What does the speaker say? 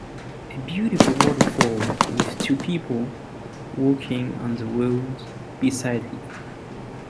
A beautiful waterfall with two people walking on the road beside it.